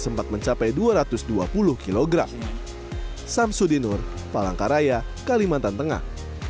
sempat mencapai dua ratus dua puluh kg samsudinur palangkaraya kalimantan tengah